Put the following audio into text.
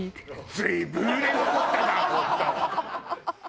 随分売れ残ったな本当。